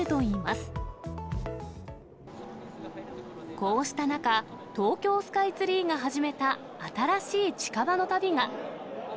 こうした中、東京スカイツリーが始めた新しい近場の旅が。